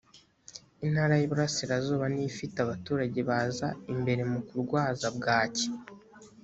intara y’iburasirazuba niyo ifite abaturage baza imbere mu kurwaza bwaki